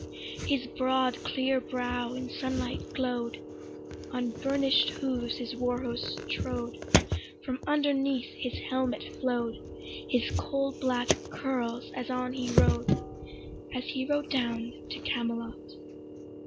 His broad clear brow in sunlight glow'd; On burnish'd hooves his war horse trode; From underneath his helmet flow'd His coal black curls as on he rode, As he rode down to Camelot.